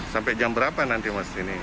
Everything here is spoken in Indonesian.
sampai jam berapa nanti mas ini